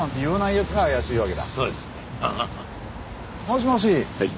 もしもし。